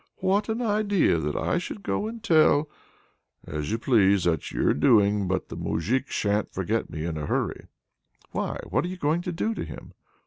"What an idea! that I should go and tell " "As you please; that's your doing! But that Moujik sha'n't forget me in a hurry!" "Why, what are you going to do to him?"